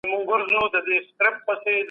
د خلګو د ابرو ساتنه وکړئ.